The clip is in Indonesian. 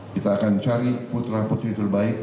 kita akan cari putra putri terbaik